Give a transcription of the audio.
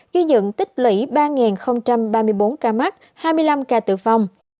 ghi nhận tích lĩ ba ba mươi bốn ca mắc hai mươi năm ca tử phong